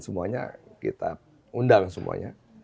semuanya kita undang semuanya